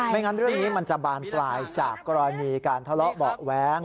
งั้นเรื่องนี้มันจะบานปลายจากกรณีการทะเลาะเบาะแว้ง